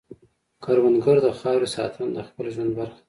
کروندګر د خاورې ساتنه د خپل ژوند برخه ګڼي